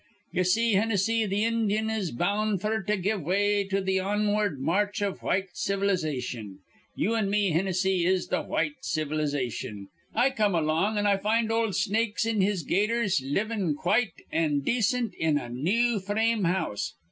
"Ye see, Hinnissy, th' Indyun is bound f'r to give way to th' onward march iv white civilization. You an' me, Hinnissy, is th' white civilization. I come along, an' I find ol' Snakes in his Gaiters livin' quite an' dacint in a new frame house.